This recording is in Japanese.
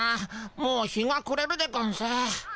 もう日がくれるでゴンス。